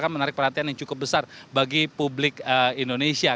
menarik perhatian yang cukup besar bagi publik indonesia